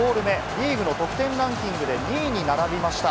リーグの得点ランキングで２位に並びました。